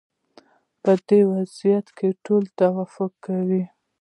په دې وضعیت کې ټول توافق کوي.